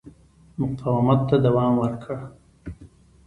مقاومت ته دوام ورکړ.